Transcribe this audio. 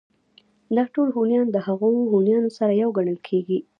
دا ټول هونيان د هغو هونيانو سره يو گڼل کېږي